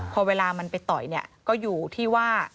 พอเวลามันไปต่อยเนี่ยก็อยู่ที่ว่า